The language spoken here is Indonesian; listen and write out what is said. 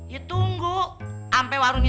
ya tunggu ampe warungnya